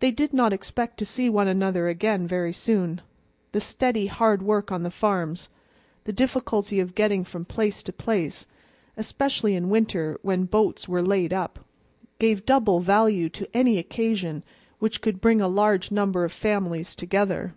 They did not expect to see one another again very soon; the steady, hard work on the farms, the difficulty of getting from place to place, especially in winter when boats were laid up, gave double value to any occasion which could bring a large number of families together.